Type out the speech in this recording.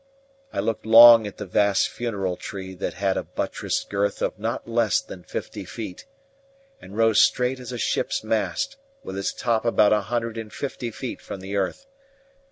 I looked long at the vast funeral tree that had a buttressed girth of not less than fifty feet, and rose straight as a ship's mast, with its top about a hundred and fifty feet from the earth.